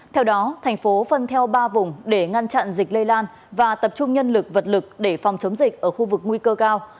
theo đó thành phố phân theo ba vùng để ngăn chặn dịch lây lan và tập trung nhân lực vật lực để phòng chống dịch ở khu vực nguy cơ cao